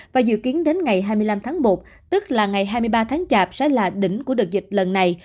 và dự kiến đến ngày hai mươi năm tháng một tức là ngày hai mươi ba tháng chạp sẽ là đỉnh của đợt dịch lần này